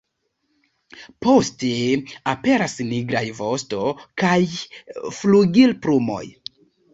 Poste aperas nigraj vosto kaj flugilplumoj.